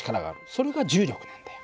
それが重力なんだよ。